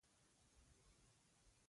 نبي علیه السلام له هغه ځایه معراج ته ختلی.